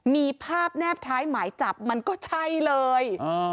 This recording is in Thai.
มีภาพแนบท้ายหมายจับมันก็ใช่เลย